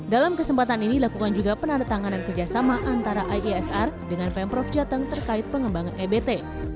dalam kesempatan ini lakukan juga penandatanganan kerjasama antara iesr dengan pemprov jateng terkait pengembangan ebt